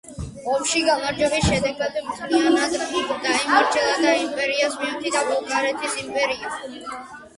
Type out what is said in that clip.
ომში გამარჯვების შედეგად მთლიანად დაიმორჩილა და იმპერიას მიუერთა ბულგარეთის იმპერია.